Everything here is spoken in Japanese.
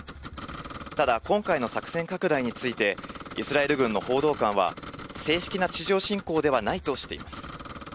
ただ、今回の作戦拡大について、イスラエル軍の報道官は、正式な地上侵攻ではないとしています。